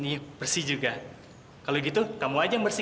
nah kamu pun juga diperoleh